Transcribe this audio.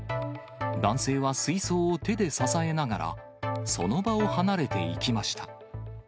男性は水槽を手で支えながら、その場を離れていきました。